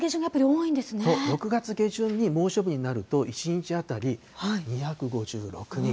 ６月下旬に猛暑日になると、１日当たり２５６人。